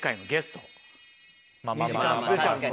２時間スペシャルの。